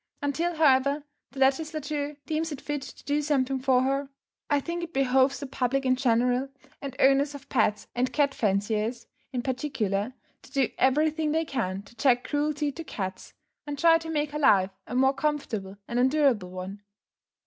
Until, however, the Legislature deems it fit to do something for her, I think it behoves the public in general, and owners of pets and cat fanciers in particular, to do everything they can to check cruelty to cats, and try to make her life a more comfortable and endurable one.